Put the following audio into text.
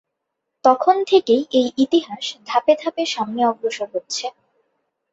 তখন থেকেই এই ইতিহাস ধাপে ধাপে সামনে অগ্রসর হচ্ছে।